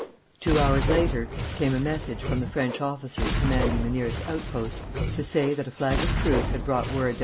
Two hours later, came a message from the French officer commanding the nearest outpost to say that a flag of truce had brought word that M.